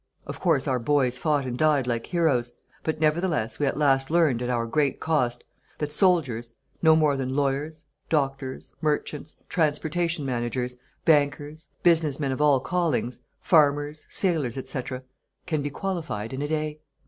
Of course, our boys fought and died like heroes, but nevertheless we at last learned, at our great cost, that soldiers no more than lawyers, doctors, merchants, transportation managers, bankers, business men of all callings, farmers, sailors, etc., can be qualified in a day.